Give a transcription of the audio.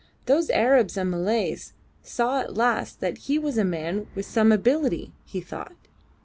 Those Arabs and Malays saw at last that he was a man of some ability, he thought.